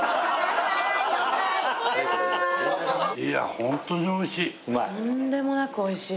ホントにおいしい。